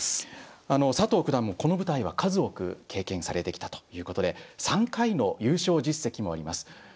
佐藤九段もこの舞台は数多く経験されてきたということで３回の優勝実績もあります。